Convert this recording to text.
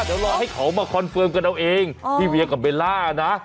เดี๋ยวรอให้เขามาคอนเฟิร์มกันเอาเองพี่เวียกับเบลล่านะ